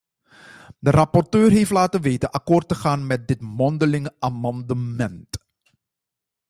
De rapporteur heeft laten weten akkoord te gaan met dit mondelinge amendement.